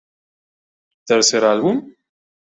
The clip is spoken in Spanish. Tercer álbum?